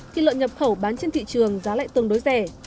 thịt lợn nhập khẩu bán trên thị trường giá lại tương đối rẻ